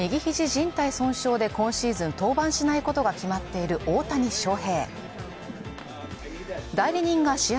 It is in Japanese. じん帯損傷で今シーズン登板しないことが決まっている大谷翔平代理人が試合